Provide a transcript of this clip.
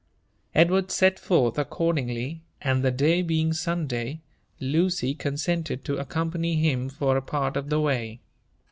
Edward set forth accordingly ; and the day being Sunday, Lucy eon seoled to aeoompany him for a part of the way.